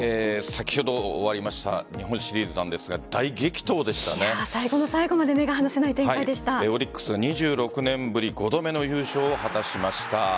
先ほど終わりました日本シリーズなんですが最後の最後までオリックス２６年ぶり５度目の優勝を果たしました。